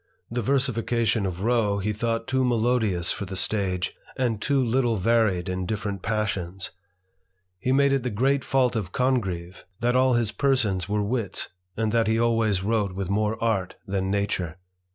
The versification of Rowe he thought too melodious for the stage, and too httle varied in different passions. He made it the great fault of Congreve^ 312 THE IDLER. that all his persons were wits, and that he alwajrs wrote with more art than nature.